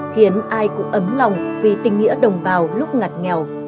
khiến ai cũng ấm lòng vì tình nghĩa đồng bào lúc ngặt nghèo